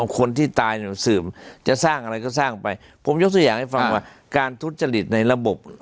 คนที่ตายสืบจะสร้างอะไรก็สร้างไปผมยกตัวอย่างให้ฟังว่าการทุจริตในระบบ